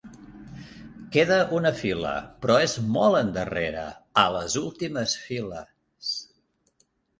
Queda una fila, però és molt endarrere, a les últimes files.